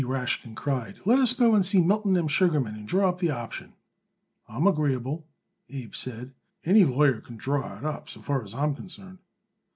Rashkin cried, "let us go and see Milton M. Sugarman and draw up the option." "I am agreeable," Abe said; "any lawyer could draw it up, so far as I am concerned."